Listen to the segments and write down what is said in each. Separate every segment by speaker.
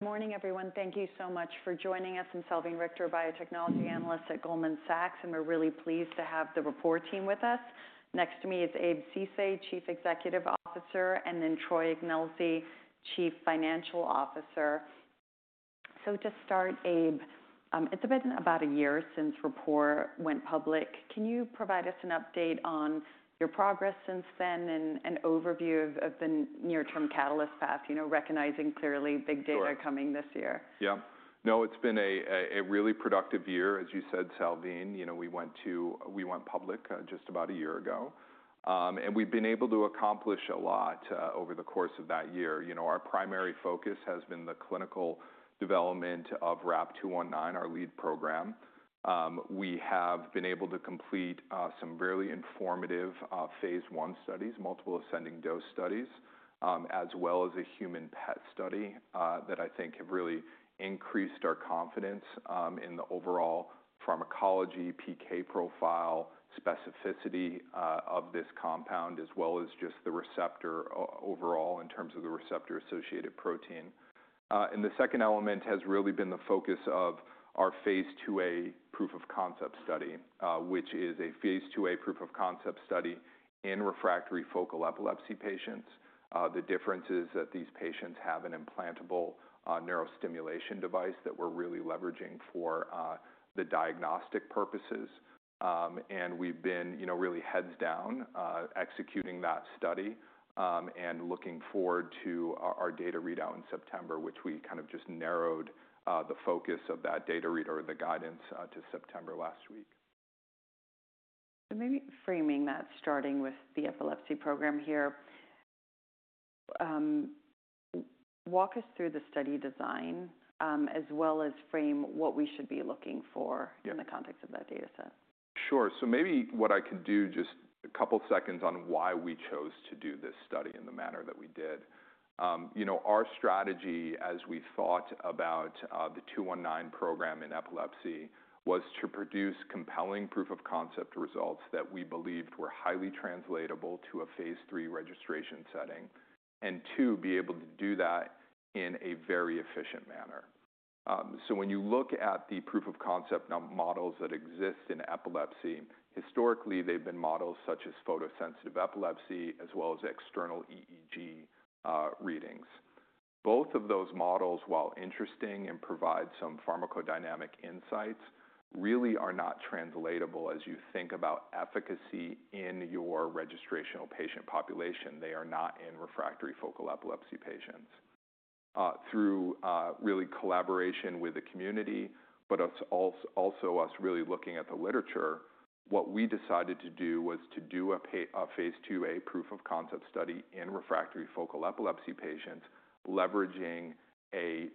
Speaker 1: Morning, everyone. Thank you so much for joining us. I'm Salveen Richter, biotechnology analyst at Goldman Sachs, and we're really pleased to have the Rapport team with us. Next to me is Abe Ceesay, Chief Executive Officer, and then Troy Ignelzi, Chief Financial Officer. To start, Abe, it's been about a year since Rapport went public. Can you provide us an update on your progress since then and an overview of the near-term catalyst path, recognizing clearly big data coming this year?
Speaker 2: Sure. Yeah. No, it's been a really productive year, as you said, Salveen. We went public just about a year ago, and we've been able to accomplish a lot over the course of that year. Our primary focus has been the clinical development of RAP-219, our lead program. We have been able to complete some really informative phase one studies, multiple ascending dose studies, as well as a human PET study that I think have really increased our confidence in the overall pharmacology, PK profile, specificity of this compound, as well as just the receptor overall in terms of the receptor-associated protein. The second element has really been the focus of our phase IIA proof of concept study, which is a phase IIA proof of concept study in refractory focal epilepsy patients. The difference is that these patients have an implantable neurostimulation device that we're really leveraging for the diagnostic purposes. We've been really heads down executing that study and looking forward to our data readout in September, which we kind of just narrowed the focus of that data readout or the guidance to September last week.
Speaker 1: Maybe framing that, starting with the epilepsy program here, walk us through the study design as well as frame what we should be looking for in the context of that data set.
Speaker 2: Sure. Maybe what I can do, just a couple of seconds on why we chose to do this study in the manner that we did. Our strategy as we thought about the 219 program in epilepsy was to produce compelling proof of concept results that we believed were highly translatable to a phase III registration setting and, two, be able to do that in a very efficient manner. When you look at the proof of concept models that exist in epilepsy, historically, they've been models such as photosensitive epilepsy as well as external EEG readings. Both of those models, while interesting and provide some pharmacodynamic insights, really are not translatable as you think about efficacy in your registrational patient population. They are not in refractory focal epilepsy patients. Through really collaboration with the community, but also us really looking at the literature, what we decided to do was to do a phase IIA proof of concept study in refractory focal epilepsy patients, leveraging a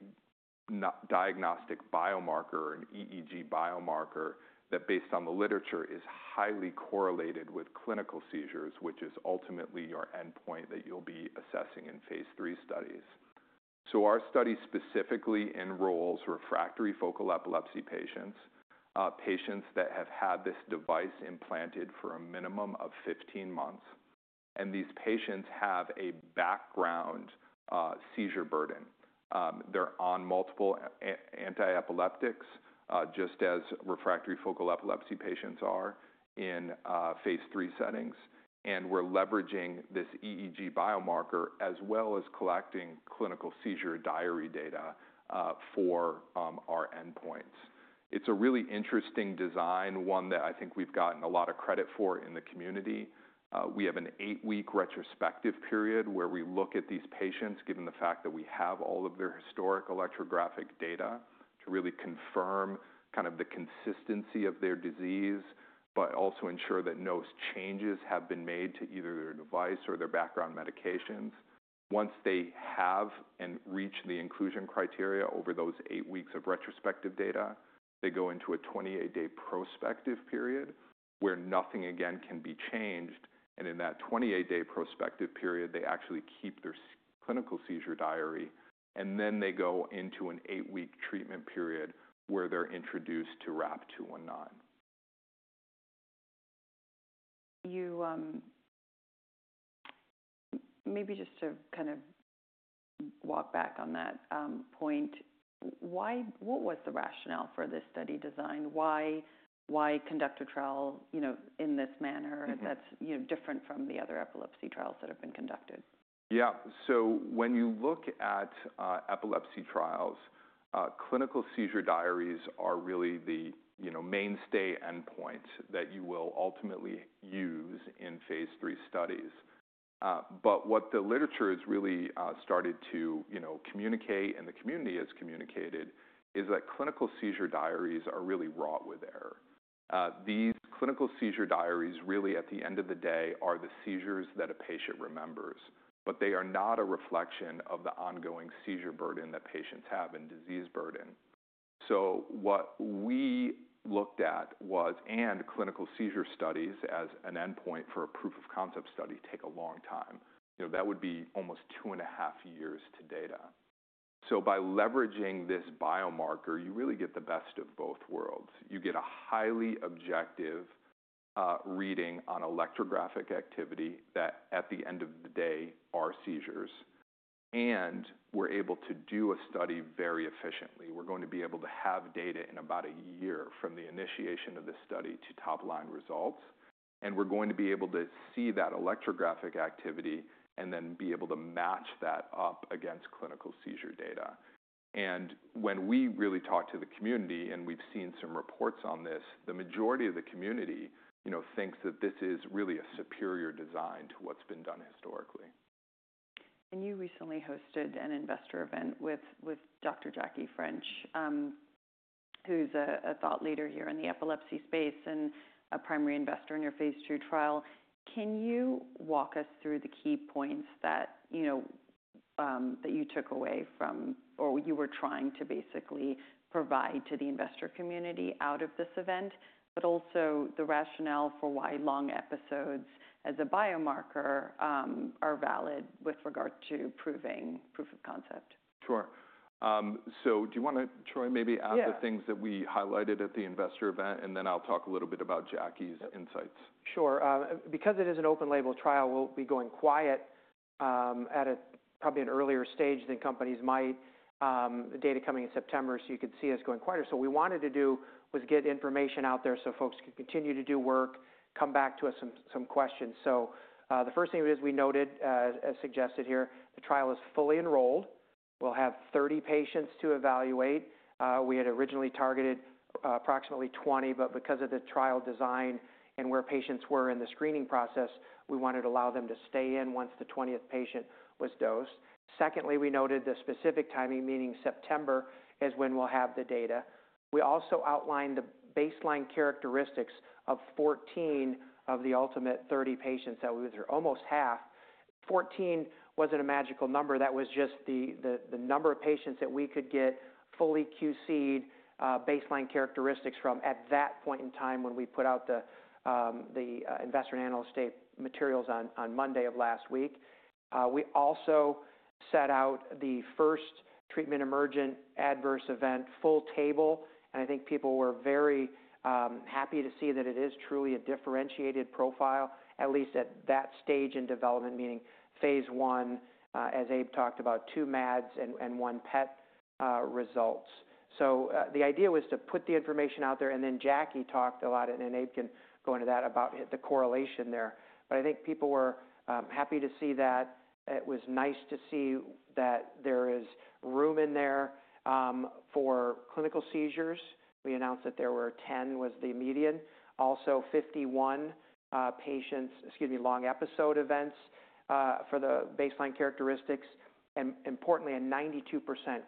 Speaker 2: diagnostic biomarker, an EEG biomarker, that based on the literature is highly correlated with clinical seizures, which is ultimately your endpoint that you'll be assessing in phase III studies. Our study specifically enrolls refractory focal epilepsy patients, patients that have had this device implanted for a minimum of 15 months. These patients have a background seizure burden. They're on multiple antiepileptics, just as refractory focal epilepsy patients are in phase III settings. We're leveraging this EEG biomarker as well as collecting clinical seizure diary data for our endpoints. It's a really interesting design, one that I think we've gotten a lot of credit for in the community. We have an eight-week retrospective period where we look at these patients, given the fact that we have all of their historic electrographic data to really confirm kind of the consistency of their disease, but also ensure that no changes have been made to either their device or their background medications. Once they have and reach the inclusion criteria over those eight weeks of retrospective data, they go into a 28-day prospective period where nothing, again, can be changed. In that 28-day prospective period, they actually keep their clinical seizure diary, and then they go into an eight-week treatment period where they're introduced to RAP-219.
Speaker 1: Maybe just to kind of walk back on that point, what was the rationale for this study design? Why conduct a trial in this manner that's different from the other epilepsy trials that have been conducted?
Speaker 2: Yeah. So when you look at epilepsy trials, clinical seizure diaries are really the mainstay endpoint that you will ultimately use in phase III studies. What the literature has really started to communicate and the community has communicated is that clinical seizure diaries are really wrought with error. These clinical seizure diaries really, at the end of the day, are the seizures that a patient remembers, but they are not a reflection of the ongoing seizure burden that patients have and disease burden. What we looked at was, and clinical seizure studies as an endpoint for a proof of concept study take a long time. That would be almost two and a half years to data. By leveraging this biomarker, you really get the best of both worlds. You get a highly objective reading on electrographic activity that, at the end of the day, are seizures. We're able to do a study very efficiently. We're going to be able to have data in about a year from the initiation of this study to top-line results. We're going to be able to see that electrographic activity and then be able to match that up against clinical seizure data. When we really talk to the community and we've seen some reports on this, the majority of the community thinks that this is really a superior design to what's been done historically.
Speaker 1: You recently hosted an investor event with Dr. Jacqueline French, who's a thought leader here in the epilepsy space and a primary investigator in your phase II trial. Can you walk us through the key points that you took away from, or you were trying to basically provide to the investor community out of this event, but also the rationale for why long episodes as a biomarker are valid with regard to proving proof of concept?
Speaker 2: Sure. Do you want to, Troy, maybe add the things that we highlighted at the investor event, and then I'll talk a little bit about Jackie's insights?
Speaker 3: Sure. Because it is an open-label trial, we'll be going quiet at probably an earlier stage than companies might. The data coming in September, so you could see us going quieter. What we wanted to do was get information out there so folks could continue to do work, come back to us with some questions. The first thing is we noted, as suggested here, the trial is fully enrolled. We'll have 30 patients to evaluate. We had originally targeted approximately 20, but because of the trial design and where patients were in the screening process, we wanted to allow them to stay in once the 20th patient was dosed. Secondly, we noted the specific timing, meaning September, is when we'll have the data. We also outlined the baseline characteristics of 14 of the ultimate 30 patients that we were almost half. Fourteen wasn't a magical number. That was just the number of patients that we could get fully QC'd baseline characteristics from at that point in time when we put out the investor and analyst materials on Monday of last week. We also set out the first treatment emergent adverse event full table. I think people were very happy to see that it is truly a differentiated profile, at least at that stage in development, meaning phase I, as Abe talked about, two meds and one PET results. The idea was to put the information out there. Jackie talked a lot, and Abe can go into that about the correlation there. I think people were happy to see that. It was nice to see that there is room in there for clinical seizures. We announced that there were 10 was the median. Also, 51 patients, excuse me, long episode events for the baseline characteristics, and importantly, a 92%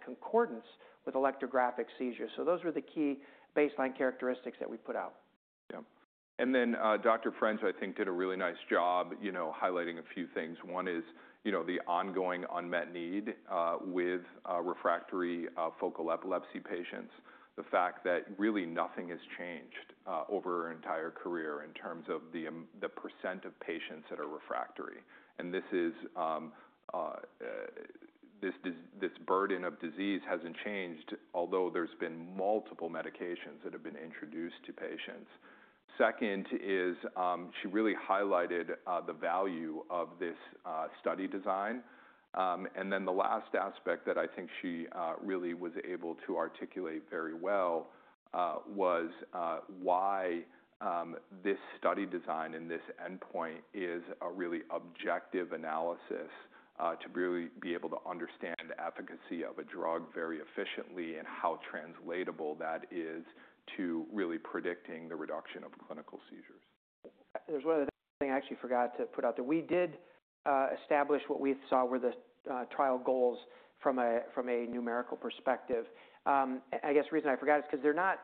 Speaker 3: concordance with electrographic seizures. Those were the key baseline characteristics that we put out.
Speaker 2: Yeah. Dr. French, I think, did a really nice job highlighting a few things. One is the ongoing unmet need with refractory focal epilepsy patients, the fact that really nothing has changed over her entire career in terms of the percent of patients that are refractory. This burden of disease has not changed, although there have been multiple medications that have been introduced to patients. Second, she really highlighted the value of this study design. The last aspect that I think she really was able to articulate very well was why this study design and this endpoint is a really objective analysis to really be able to understand the efficacy of a drug very efficiently and how translatable that is to really predicting the reduction of clinical seizures.
Speaker 3: There's one other thing I actually forgot to put out there. We did establish what we saw were the trial goals from a numerical perspective. I guess the reason I forgot is because they're not,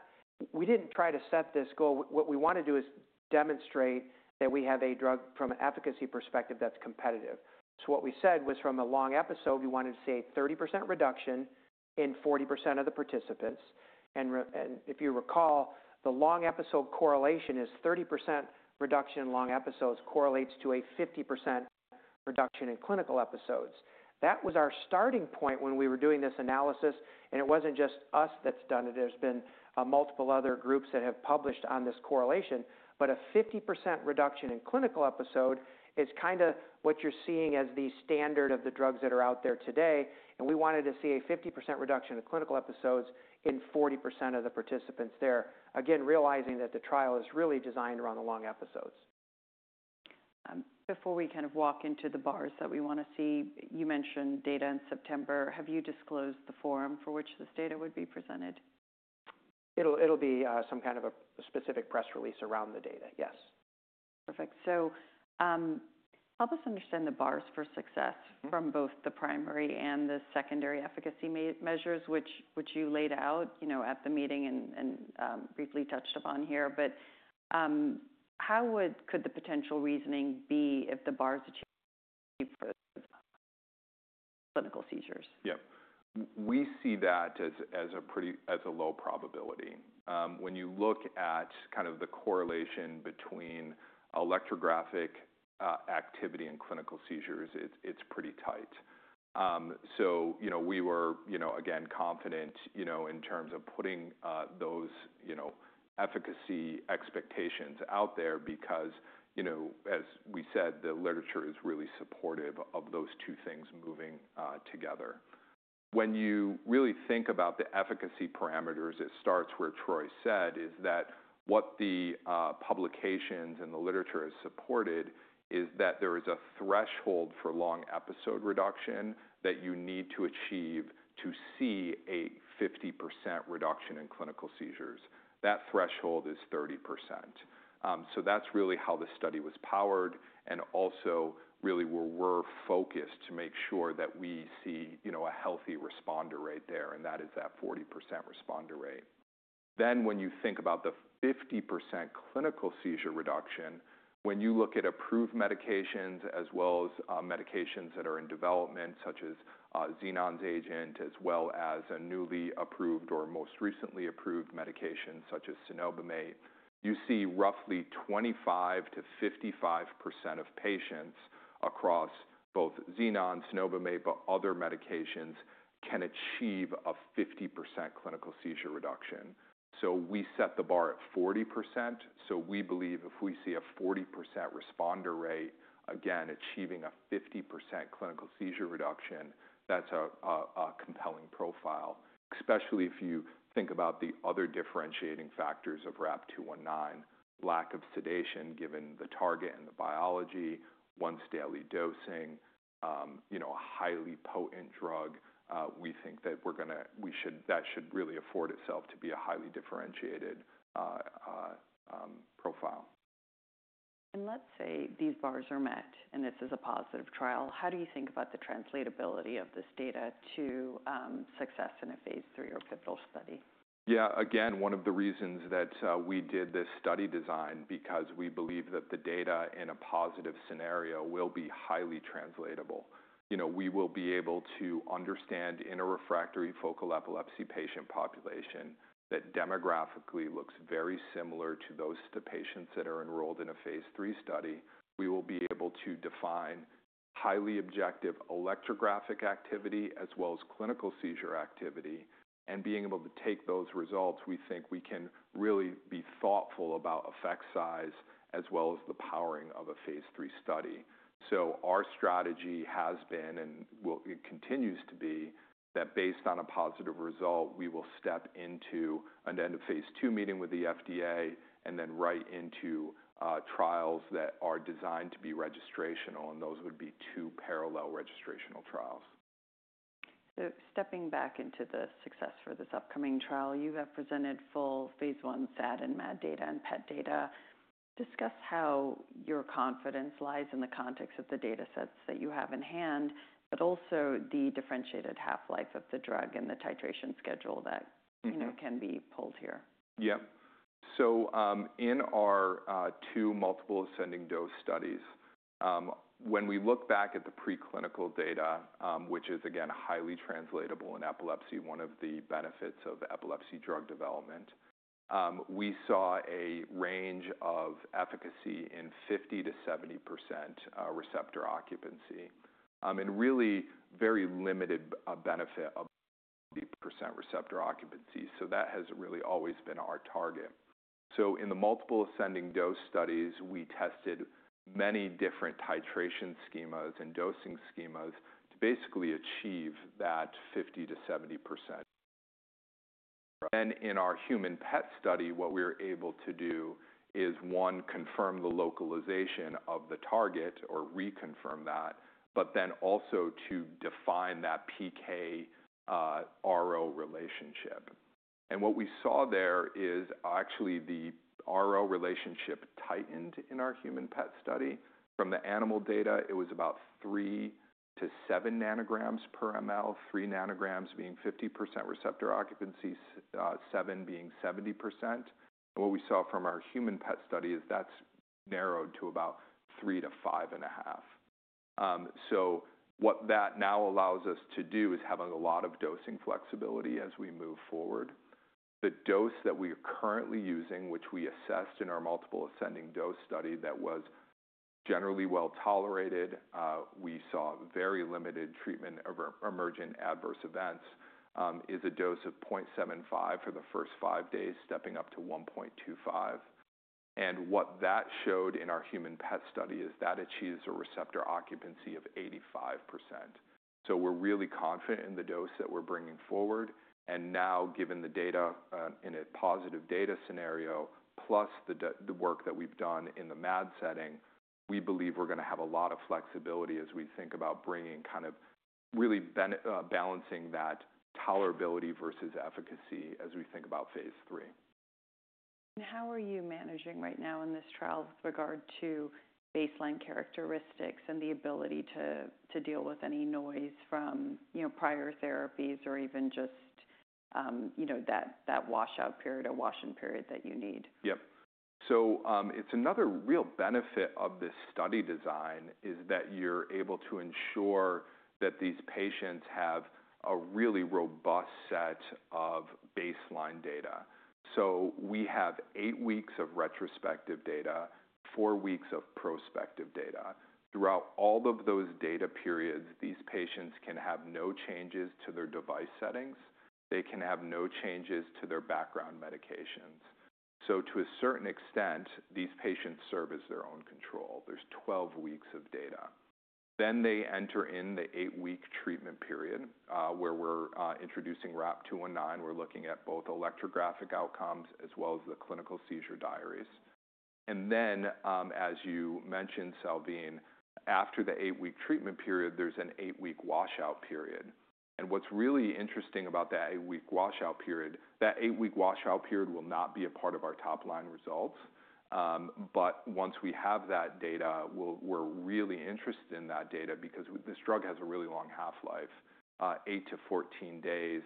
Speaker 3: we didn't try to set this goal. What we want to do is demonstrate that we have a drug from an efficacy perspective that's competitive. What we said was from a long episode, we wanted to see a 30% reduction in 40% of the participants. If you recall, the long episode correlation is 30% reduction in long episodes correlates to a 50% reduction in clinical episodes. That was our starting point when we were doing this analysis. It wasn't just us that's done it. There have been multiple other groups that have published on this correlation. A 50% reduction in clinical episode is kind of what you're seeing as the standard of the drugs that are out there today. We wanted to see a 50% reduction in clinical episodes in 40% of the participants there, again, realizing that the trial is really designed around the long episodes.
Speaker 1: Before we kind of walk into the bars that we want to see, you mentioned data in September. Have you disclosed the forum for which this data would be presented?
Speaker 3: It'll be some kind of a specific press release around the data, yes.
Speaker 1: Perfect. So help us understand the bars for success from both the primary and the secondary efficacy measures, which you laid out at the meeting and briefly touched upon here. How could the potential reasoning be if the bars achieve clinical seizures?
Speaker 2: Yeah. We see that as a low probability. When you look at kind of the correlation between electrographic activity and clinical seizures, it's pretty tight. We were, again, confident in terms of putting those efficacy expectations out there because, as we said, the literature is really supportive of those two things moving together. When you really think about the efficacy parameters, it starts where Troy said, is that what the publications and the literature has supported is that there is a threshold for long episode reduction that you need to achieve to see a 50% reduction in clinical seizures. That threshold is 30%. That's really how the study was powered. Also, really, we were focused to make sure that we see a healthy responder rate there, and that is that 40% responder rate. When you think about the 50% clinical seizure reduction, when you look at approved medications as well as medications that are in development, such as Xenon's agent, as well as a newly approved or most recently approved medication, such as Cenobamate, you see roughly 25%-55% of patients across both Xenon, Cenobamate, but other medications can achieve a 50% clinical seizure reduction. We set the bar at 40%. We believe if we see a 40% responder rate, again, achieving a 50% clinical seizure reduction, that's a compelling profile, especially if you think about the other differentiating factors of RAP-219, lack of sedation given the target and the biology, once-daily dosing, a highly potent drug. We think that should really afford itself to be a highly differentiated profile.
Speaker 1: Let's say these bars are met, and this is a positive trial. How do you think about the translatability of this data to success in a phase III or pivotal study?
Speaker 2: Yeah. Again, one of the reasons that we did this study design is because we believe that the data in a positive scenario will be highly translatable. We will be able to understand in a refractory focal epilepsy patient population that demographically looks very similar to those patients that are enrolled in a phase III study. We will be able to define highly objective electrographic activity as well as clinical seizure activity. Being able to take those results, we think we can really be thoughtful about effect size as well as the powering of a phase III study. Our strategy has been and continues to be that based on a positive result, we will step into an end of phase II meeting with the FDA and then right into trials that are designed to be registrational. Those would be two parallel registrational trials.
Speaker 1: Stepping back into the success for this upcoming trial, you have presented full phase I SAD and MAD data and PET data. Discuss how your confidence lies in the context of the datasets that you have in hand, but also the differentiated half-life of the drug and the titration schedule that can be pulled here.
Speaker 2: Yeah. In our two multiple ascending dose studies, when we look back at the preclinical data, which is, again, highly translatable in epilepsy, one of the benefits of epilepsy drug development, we saw a range of efficacy in 50%-70% receptor occupancy, and really very limited benefit at 80% receptor occupancy. That has really always been our target. In the multiple ascending dose studies, we tested many different titration schemas and dosing schemas to basically achieve that 50%-70%. In our human PET study, what we were able to do is, one, confirm the localization of the target or reconfirm that, but then also to define that PK-RO relationship. What we saw there is actually the RO relationship tightened in our human PET study. From the animal data, it was about 3-7 nanograms per ml, 3 nanograms being 50% receptor occupancy, 7 being 70%. What we saw from our human PET study is that's narrowed to about 3-5.5. What that now allows us to do is have a lot of dosing flexibility as we move forward. The dose that we are currently using, which we assessed in our multiple ascending dose study that was generally well tolerated, we saw very limited treatment emergent adverse events, is a dose of 0.75 for the first five days, stepping up to 1.25. What that showed in our human PET study is that achieves a receptor occupancy of 85%. We are really confident in the dose that we are bringing forward. Now, given the data in a positive data scenario, plus the work that we've done in the MAD setting, we believe we're going to have a lot of flexibility as we think about bringing kind of really balancing that tolerability versus efficacy as we think about phase III.
Speaker 1: How are you managing right now in this trial with regard to baseline characteristics and the ability to deal with any noise from prior therapies or even just that washout period or wash-in period that you need?
Speaker 2: Yeah. So it's another real benefit of this study design is that you're able to ensure that these patients have a really robust set of baseline data. So we have eight weeks of retrospective data, four weeks of prospective data. Throughout all of those data periods, these patients can have no changes to their device settings. They can have no changes to their background medications. To a certain extent, these patients serve as their own control. There's 12 weeks of data. Then they enter in the eight-week treatment period where we're introducing RAP-219. We're looking at both electrographic outcomes as well as the clinical seizure diaries. And then, as you mentioned, Salveen, after the eight-week treatment period, there's an eight-week washout period. What's really interesting about that eight-week washout period, that eight-week washout period will not be a part of our top-line results. Once we have that data, we're really interested in that data because this drug has a really long half-life, 8-14 days,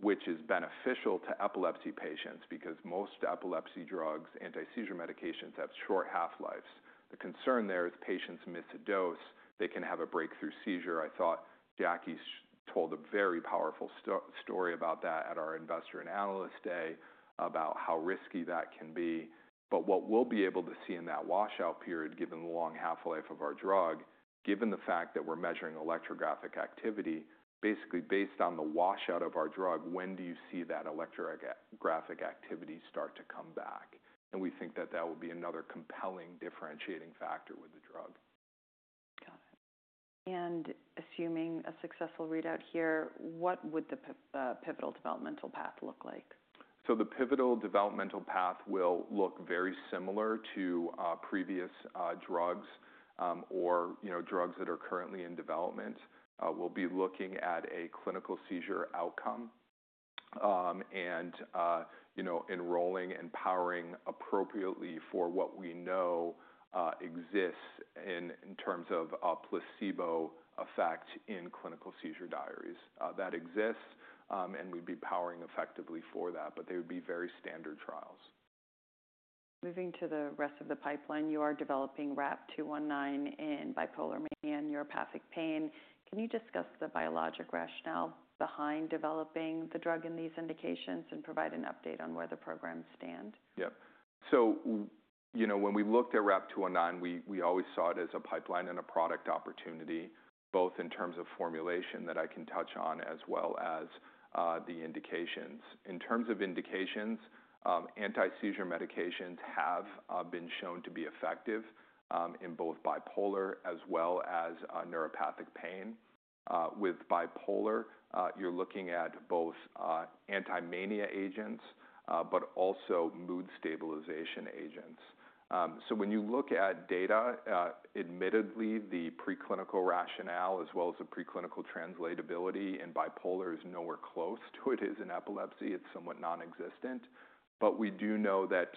Speaker 2: which is beneficial to epilepsy patients because most epilepsy drugs, anti-seizure medications, have short half-lives. The concern there is patients miss a dose. They can have a breakthrough seizure. I thought Jackie told a very powerful story about that at our investor and analyst day about how risky that can be. What we'll be able to see in that washout period, given the long half-life of our drug, given the fact that we're measuring electrographic activity, basically based on the washout of our drug, is when you see that electrographic activity start to come back. We think that that will be another compelling differentiating factor with the drug.
Speaker 1: Got it. Assuming a successful readout here, what would the pivotal developmental path look like?
Speaker 2: The pivotal developmental path will look very similar to previous drugs or drugs that are currently in development. We'll be looking at a clinical seizure outcome and enrolling and powering appropriately for what we know exists in terms of a placebo effect in clinical seizure diaries. That exists, and we'd be powering effectively for that. They would be very standard trials.
Speaker 1: Moving to the rest of the pipeline, you are developing RAP-219 in bipolar mania and neuropathic pain. Can you discuss the biologic rationale behind developing the drug in these indications and provide an update on where the program stands?
Speaker 2: Yeah. So when we looked at RAP-219, we always saw it as a pipeline and a product opportunity, both in terms of formulation that I can touch on as well as the indications. In terms of indications, anti-seizure medications have been shown to be effective in both bipolar as well as neuropathic pain. With bipolar, you're looking at both anti-mania agents but also mood stabilization agents. When you look at data, admittedly, the preclinical rationale as well as the preclinical translatability in bipolar is nowhere close to what it is in epilepsy. It's somewhat nonexistent. We do know that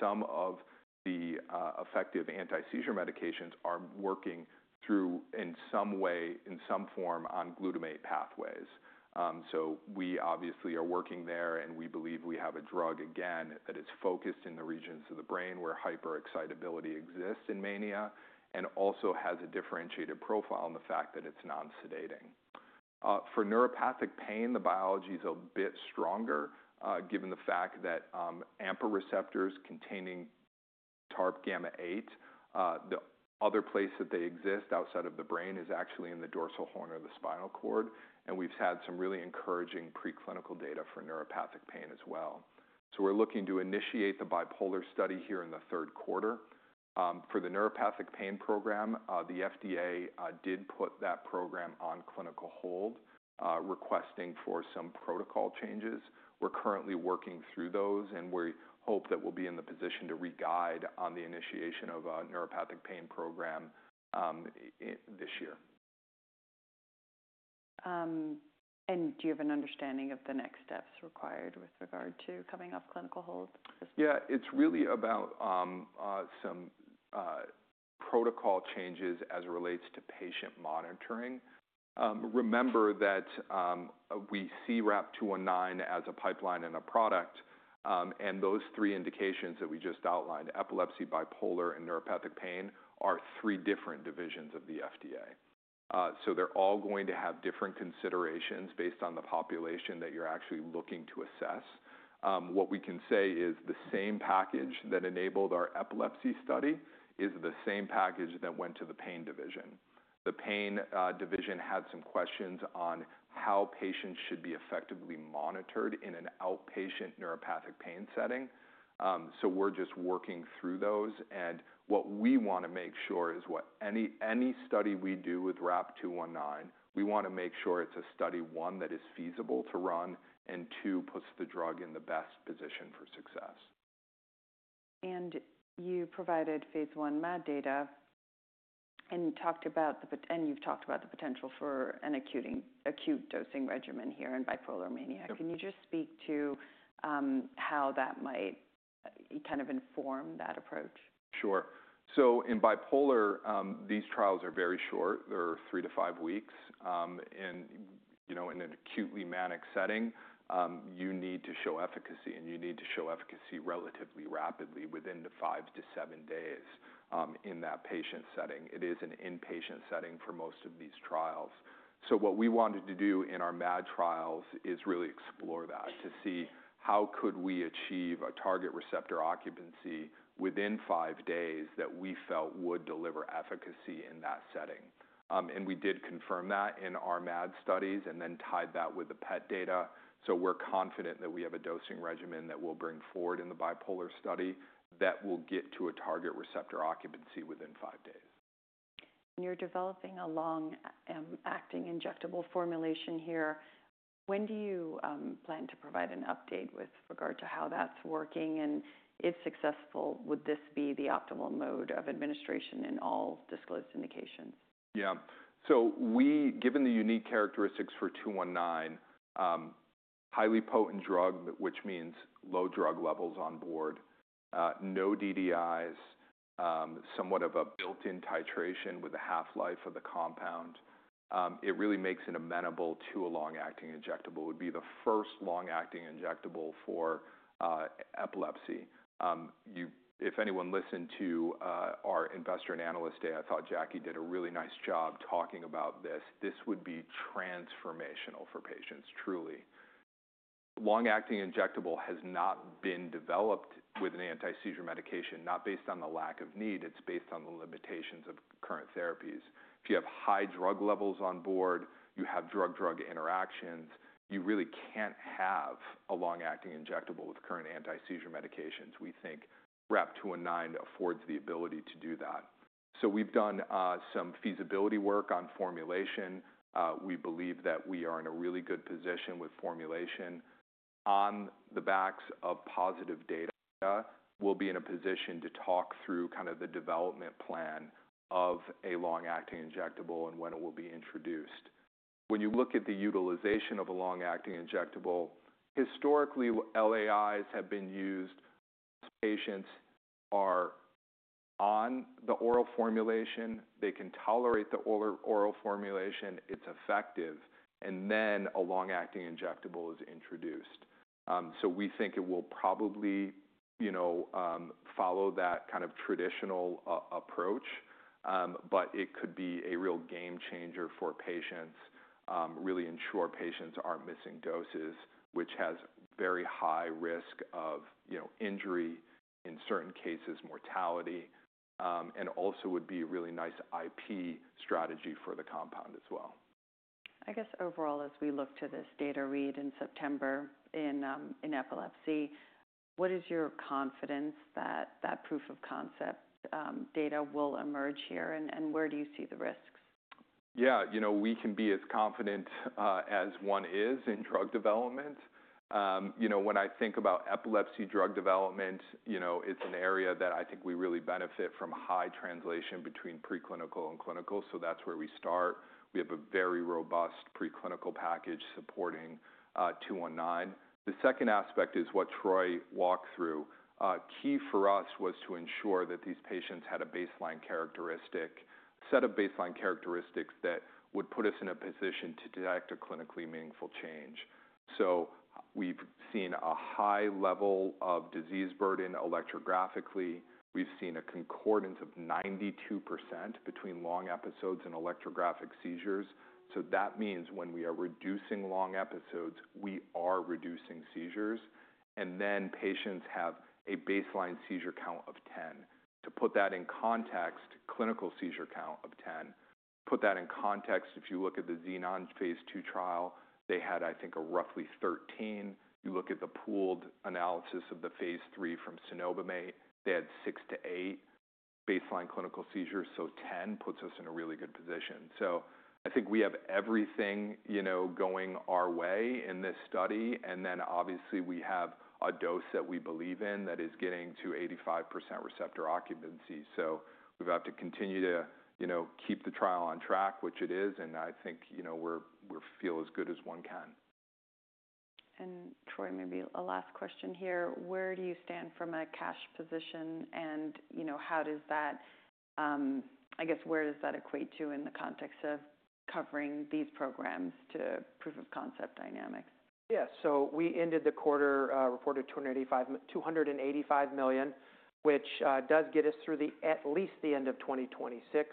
Speaker 2: some of the effective anti-seizure medications are working through in some way, in some form, on glutamate pathways. We obviously are working there, and we believe we have a drug, again, that is focused in the regions of the brain where hyperexcitability exists in mania and also has a differentiated profile in the fact that it's non-sedating. For neuropathic pain, the biology is a bit stronger given the fact that AMPA receptors containing TARP gamma-8, the other place that they exist outside of the brain, is actually in the dorsal horn of the spinal cord. We've had some really encouraging preclinical data for neuropathic pain as well. We're looking to initiate the bipolar study here in the third quarter. For the neuropathic pain program, the FDA did put that program on clinical hold, requesting for some protocol changes. We're currently working through those, and we hope that we'll be in the position to re-guide on the initiation of a neuropathic pain program this year.
Speaker 1: Do you have an understanding of the next steps required with regard to coming off clinical hold?
Speaker 2: Yeah. It's really about some protocol changes as it relates to patient monitoring. Remember that we see RAP-219 as a pipeline and a product. And those three indications that we just outlined, epilepsy, bipolar, and neuropathic pain, are three different divisions of the FDA. So they're all going to have different considerations based on the population that you're actually looking to assess. What we can say is the same package that enabled our epilepsy study is the same package that went to the pain division. The pain division had some questions on how patients should be effectively monitored in an outpatient neuropathic pain setting. So we're just working through those. What we want to make sure is with any study we do with RAP-219, we want to make sure it's a study, one, that is feasible to run, and two, puts the drug in the best position for success.
Speaker 1: You provided phase I MAD data and talked about the, and you've talked about the potential for an acute dosing regimen here in bipolar mania. Can you just speak to how that might kind of inform that approach?
Speaker 2: Sure. In bipolar, these trials are very short. They are three to five weeks. In an acutely manic setting, you need to show efficacy, and you need to show efficacy relatively rapidly within five to seven days in that patient setting. It is an inpatient setting for most of these trials. What we wanted to do in our MAD trials is really explore that to see how could we achieve a target receptor occupancy within five days that we felt would deliver efficacy in that setting. We did confirm that in our MAD studies and then tied that with the PET data. We are confident that we have a dosing regimen that we will bring forward in the bipolar study that will get to a target receptor occupancy within five days.
Speaker 1: You're developing a long-acting injectable formulation here. When do you plan to provide an update with regard to how that's working? If successful, would this be the optimal mode of administration in all disclosed indications?
Speaker 2: Yeah. So we, given the unique characteristics for 219, highly potent drug, which means low drug levels on board, no DDIs, somewhat of a built-in titration with a half-life of the compound, it really makes it amenable to a long-acting injectable. It would be the first long-acting injectable for epilepsy. If anyone listened to our investor and analyst day, I thought Jackie did a really nice job talking about this. This would be transformational for patients, truly. Long-acting injectable has not been developed with an anti-seizure medication, not based on the lack of need. It's based on the limitations of current therapies. If you have high drug levels on board, you have drug-drug interactions, you really can't have a long-acting injectable with current anti-seizure medications. We think RAP-219 affords the ability to do that. So we've done some feasibility work on formulation. We believe that we are in a really good position with formulation. On the backs of positive data, we'll be in a position to talk through kind of the development plan of a long-acting injectable and when it will be introduced. When you look at the utilization of a long-acting injectable, historically, LAIs have been used. Patients are on the oral formulation. They can tolerate the oral formulation. It's effective. Then a long-acting injectable is introduced. We think it will probably follow that kind of traditional approach, but it could be a real game changer for patients, really ensure patients aren't missing doses, which has very high risk of injury in certain cases, mortality, and also would be a really nice IP strategy for the compound as well.
Speaker 1: I guess overall, as we look to this data read in September in epilepsy, what is your confidence that that proof of concept data will emerge here? Where do you see the risks?
Speaker 2: Yeah. We can be as confident as one is in drug development. When I think about epilepsy drug development, it's an area that I think we really benefit from high translation between preclinical and clinical. That's where we start. We have a very robust preclinical package supporting 219. The second aspect is what Troy walked through. Key for us was to ensure that these patients had a baseline characteristic, a set of baseline characteristics that would put us in a position to detect a clinically meaningful change. We've seen a high level of disease burden electrographically. We've seen a concordance of 92% between long episodes and electrographic seizures. That means when we are reducing long episodes, we are reducing seizures. Patients have a baseline seizure count of 10. To put that in context, clinical seizure count of 10. Put that in context, if you look at the Xenon phase II trial, they had, I think, a roughly 13. You look at the pooled analysis of the phase III from Cenobamate, they had 6-8 baseline clinical seizures. 10 puts us in a really good position. I think we have everything going our way in this study. Obviously, we have a dose that we believe in that is getting to 85% receptor occupancy. We have to continue to keep the trial on track, which it is. I think we feel as good as one can.
Speaker 1: Troy, maybe a last question here. Where do you stand from a cash position? How does that, I guess, where does that equate to in the context of covering these programs to proof of concept dynamics?
Speaker 3: Yeah. So we ended the quarter, reported $285 million, which does get us through at least the end of 2026.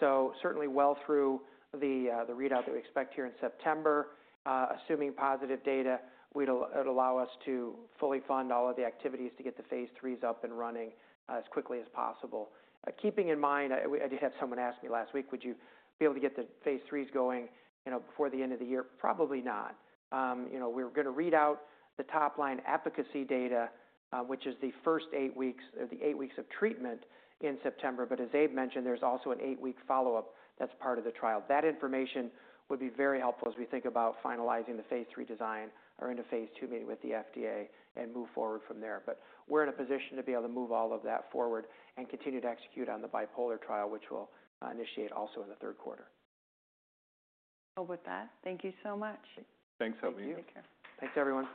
Speaker 3: Certainly well through the readout that we expect here in September. Assuming positive data, it would allow us to fully fund all of the activities to get the phase III up and running as quickly as possible. Keeping in mind, I did have someone ask me last week, would you be able to get the phase III going before the end of the year? Probably not. We're going to read out the top-line efficacy data, which is the first eight weeks or the eight weeks of treatment in September. As Abe mentioned, there's also an eight-week follow-up that's part of the trial. That information would be very helpful as we think about finalizing the phase III design or into phase II meeting with the FDA and move forward from there. We're in a position to be able to move all of that forward and continue to execute on the bipolar trial, which we'll initiate also in the third quarter.
Speaker 1: We'll go with that. Thank you so much.
Speaker 2: Thanks, Salveen.
Speaker 3: Thank you.
Speaker 1: Take care.
Speaker 3: Thanks, everyone.